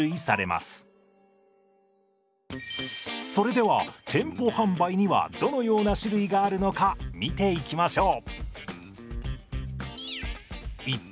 それでは店舗販売にはどのような種類があるのか見ていきましょう。